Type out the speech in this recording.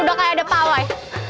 udah kayak ada pawai